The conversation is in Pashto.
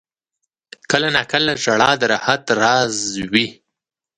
• کله ناکله ژړا د راحت راز وي.